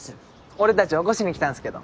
俺たち起こしに来たんすけど。